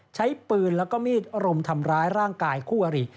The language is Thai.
ใช้ปืนแล้วก็มีดรุมทำร้ายร่างกายคู่อริ